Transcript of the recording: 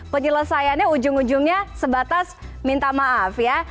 penyelesaiannya ujung ujungnya sebatas minta maaf ya